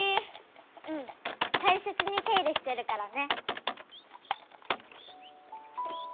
うん大切に手入れしてるからね。